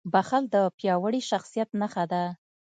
• بښل د پیاوړي شخصیت نښه ده.